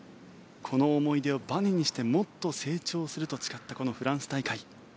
この思い出をばねにしてもっと成長すると誓ったこのフランス大会。